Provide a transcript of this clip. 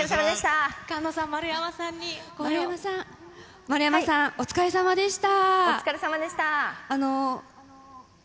菅野さん、丸山さん、お疲れさまでした。